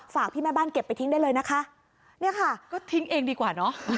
ฝากพี่แม่บ้านเก็บไปทิ้งได้เลยนะคะเนี่ยค่ะก็ทิ้งเองดีกว่าเนอะ